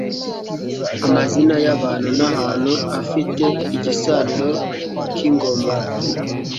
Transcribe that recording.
Amazina y'Abantu n'ahantu afite igisanira k'Ingoma